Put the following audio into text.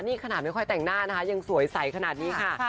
นี่ขนาดไม่ค่อยแต่งหน้านะคะยังสวยใสขนาดนี้ค่ะ